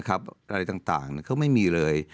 อะไรต่างเขาไม่มีเลย